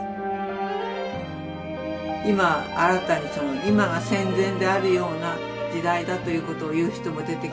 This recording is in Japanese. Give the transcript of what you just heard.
今新たに今が戦前であるような時代だということを言う人も出てきて。